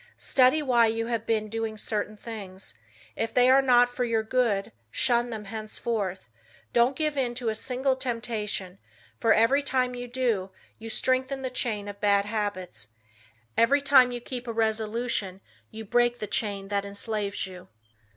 Study why you have been doing certain things. If they are not for your good, shun them henceforth. Don't give in to a single temptation for every time you do, you strengthen the chain of bad habits. Every time you keep a resolution you break the chain that enslaves you.